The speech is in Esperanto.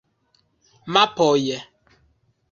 Mapoj!